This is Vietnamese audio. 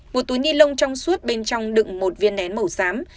một túi ni lông trong suốt bên trong đựng một viên nén màu xám